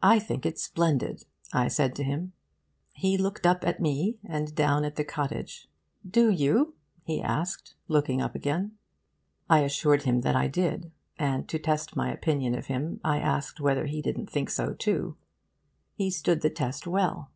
'I think it splendid,' I said to him. He looked up at me, and down at the cottage. 'Do you?' he asked, looking up again. I assured him that I did; and to test my opinion of him I asked whether he didn't think so too. He stood the test well.